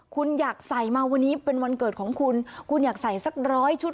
คุณอยากใส่มาวันนี้เป็นวันเกิดของคุณคุณอยากใส่สักร้อยชุด